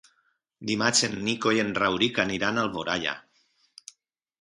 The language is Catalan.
Dimarts en Nico i en Rauric aniran a Alboraia.